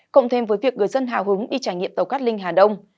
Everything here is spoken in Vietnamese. cộng thêm với việc gửi dân hào hứng đi trải nghiệm tàu cắt linh hà đông